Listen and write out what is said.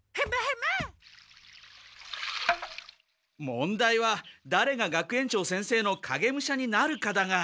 問題はだれが学園長先生の影武者になるかだが。